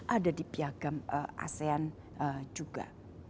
ada di piagam asean juga